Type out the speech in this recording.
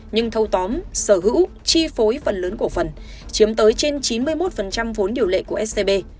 nhưng thâu tóm sở hữu chi phối phần lớn cổ phần chiếm tới trên chín mươi một vốn điều lệ của scb